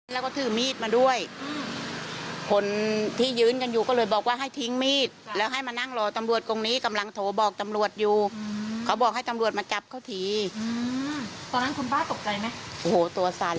ตั้งแต่เช้าด้วยไงเขาก็นั่งเหมือนนั่งรอตำรวจพูดอะไรเขาเสียใจอะไรอย่างเงี้ย